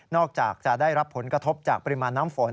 อกจากจะได้รับผลกระทบจากปริมาณน้ำฝน